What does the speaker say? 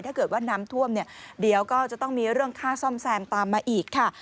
ถ้าเกิดว่าน้ำท่วมเนี่ยเดี๋ยวก็จะต้องมีเรื่องค่าซ่อมแซมตามมาอีกค่ะ